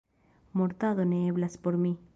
Mortado ne eblas por mi.